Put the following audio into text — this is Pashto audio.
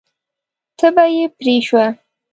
تبه یې پرې شوه.